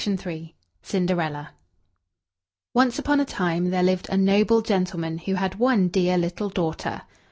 CINDERELLA Once upon a time there lived a noble gentleman who had one dear little daughter.